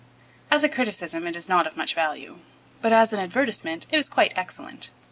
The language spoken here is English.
As a criticism it is not of much value, but as an advertisement it is quite excellent.